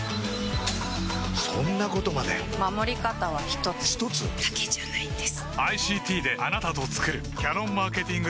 そんなことまで守り方は一つ一つ？だけじゃないんです